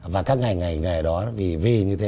và các ngành nghề đó vì như thế